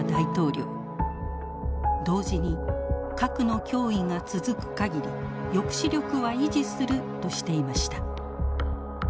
同時に核の脅威が続く限り抑止力は維持するとしていました。